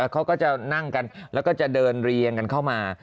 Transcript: เขาก็จะนั่งกันแล้วก็จะเดินเรียงกันเข้ามา